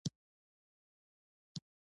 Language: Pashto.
ایران یو مثال دی.